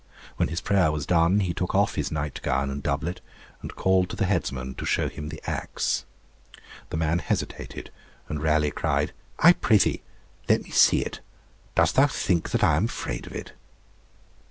When his prayer was done, he took off his night gown and doublet, and called to the headsman to show him the axe. The man hesitated, and Raleigh cried, 'I prithee, let me see it. Dost thou think that I am afraid of it?'